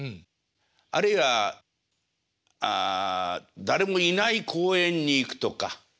あるいは誰もいない公園に行くとか。